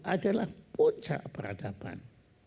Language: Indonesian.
adalah puncak peradaban